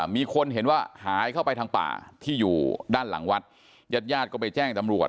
มีคนเห็นว่าหายเข้าไปทางป่าที่อยู่ด้านหลังวัดญาติญาติก็ไปแจ้งตำรวจ